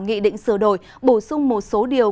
nghị định sửa đổi bổ sung một số điều